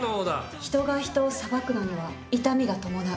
人が人を裁くのには痛みが伴う。